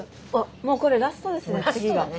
もうこれラストですね